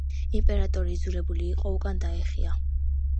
იმპერატორი იძულებული იყო უკან დაეხია.